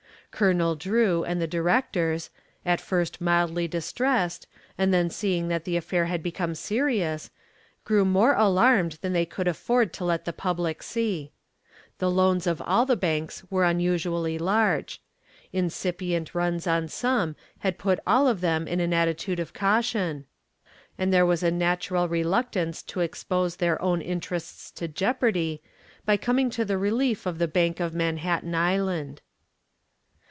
Colonel Drew and the directors, at first mildly distressed, and then seeing that the affair had become serious, grew more alarmed than they could afford to let the public see. The loans of all the banks were unusually large. Incipient runs on some had put all of them in an attitude of caution, and there was a natural reluctance to expose their own interests to jeopardy by coming to the relief of the Bank of Manhattan Island.